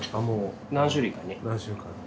もう何種類かね。